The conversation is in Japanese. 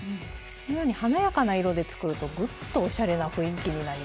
このように華やかな色で作るとグッとおしゃれな雰囲気になりますよ。